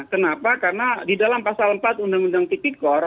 kenapa karena di dalam pasal empat undang undang tipikor